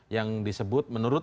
yang disebut menurut